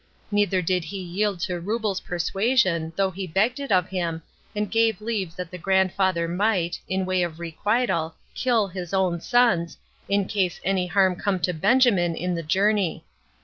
Neither did he yield to Reubel's persuasion, though he begged it of him, and gave leave that the grandfather might, in way of requital, kill his own sons, in case any harm came to Benjamin in the journey.